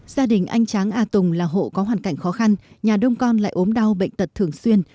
gia đình anh tráng a tùng là hộ có hoàn cảnh khó khăn nhà đông con lại ốm đau bệnh tật thường xuyên